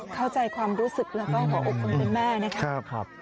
เข้าใจความรู้สึกแล้วก็ขอบคุณแม่นะครับ